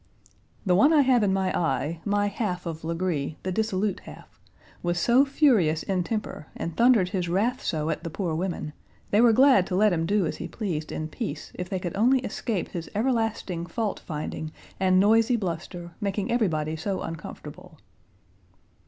"The one I have in my eye my half of Legree, the dissolute half was so furious in temper and thundered his wrath so at the poor women, they were glad to let him do as he pleased in peace if they could only escape his everlasting fault finding, and noisy bluster, making everybody so uncomfortable."